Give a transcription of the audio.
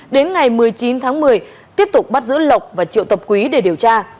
đến ngày một mươi chín tháng một mươi tiếp tục bắt giữ lộc và triệu tập quý để điều tra